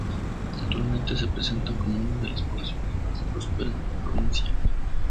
Actualmente se presenta como una de las poblaciones más prósperas de la provincia.